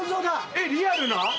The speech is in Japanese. えっリアルな？